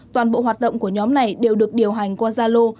toàn bộ hoạt động của nhóm này đều được điều hành qua zalo